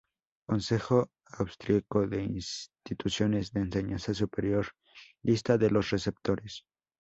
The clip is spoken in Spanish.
Consejo austriaco de instituciones de enseñanza superior: lista de los receptores